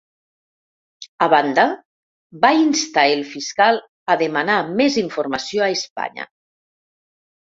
A banda, va instar el fiscal a demanar més informació a Espanya.